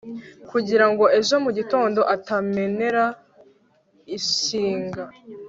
kugira ngo ejo mu gitondo atamenera ishyiga